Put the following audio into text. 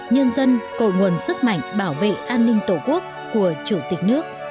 nhân dân cội nguồn sức mạnh bảo vệ an ninh tổ quốc của chủ tịch nước